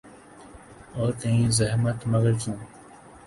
اور کہیں زحمت ، مگر کیوں ۔